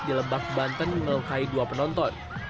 di lebak banten melukai dua penonton